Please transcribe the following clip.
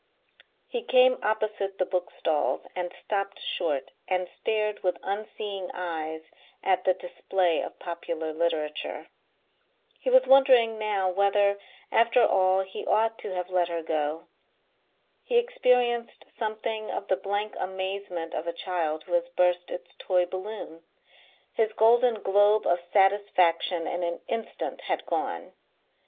He came opposite the bookstalls and stopped short and stared with unseeing eyes at the display of popular literature. He was wondering now whether after all he ought to have let her go. He experienced something of the blank amazement of a child who has burst its toy balloon. His golden globe of satisfaction in an instant had gone.